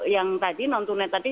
yang tadi nontonnya tadi